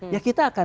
ya kita akan